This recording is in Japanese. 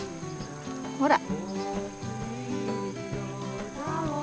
ほら！